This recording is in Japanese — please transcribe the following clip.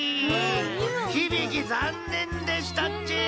ヒビキざんねんでしたっち。